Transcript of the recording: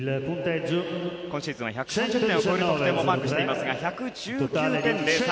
今シーズンは１３０点を超える得点もマークしていますが１１９．０３。